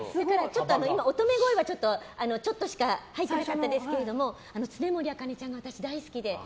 今、乙女声はちょっとしか入ってなかったですけど常守朱ちゃんが私、大好きで。